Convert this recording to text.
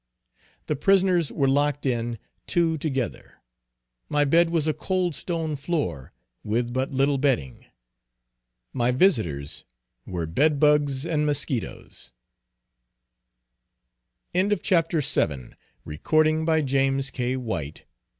The prisoners were locked in, two together. My bed was a cold stone floor with but little bedding! My visitors were bed bugs and musquitoes. CHAPTER VIII. _Character of my prison companions.